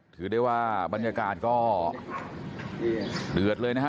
ถือได้ว่าบรรยากาศก็เดือดเลยนะฮะ